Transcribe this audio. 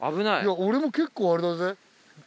俺も結構あれだぜ？